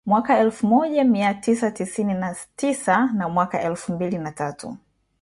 mwaka elfu moja mia tisa tisini na tisa na mwaka elfu mbili na tatu